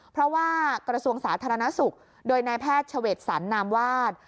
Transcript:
เพราะว่ากระทรวงสาธารณสุขโดยนายแพทย์เฉวดสรรนามวาด